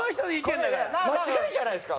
間違いじゃないですか？